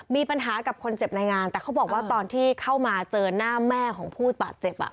มีปัญหากับคนเจ็บในงานแต่เขาบอกว่าตอนที่เข้ามาเจอหน้าแม่ของผู้บาดเจ็บอ่ะ